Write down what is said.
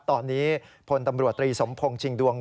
ตอนนี้พลตำรวจตรีสมพงศ์ชิงดวง